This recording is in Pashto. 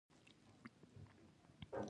چې دوى اصلاً د اسلام د ختمولو لپاره راغلي دي.